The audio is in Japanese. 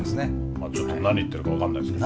まあちょっと何言ってるか分かんないですけど。